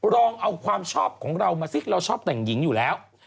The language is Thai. ลองเอาความชอบของเรามาสิเราชอบแต่งหญิงอยู่แล้ว